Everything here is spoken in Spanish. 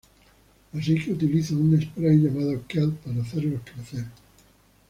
Así que utiliza un spray llamado Kelp para hacerlos crecer.